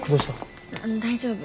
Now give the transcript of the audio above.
大丈夫？